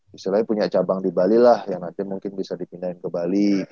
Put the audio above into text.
istilahnya punya cabang di bali lah yang nanti mungkin bisa dipindahin ke bali